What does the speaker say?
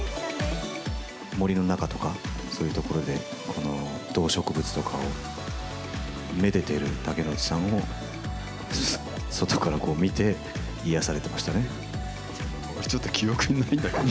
森の中とか、そういう所で、動植物とかをめでてる竹野内さんを外からこう見て、癒やされてまちょっと記憶にないんだけど。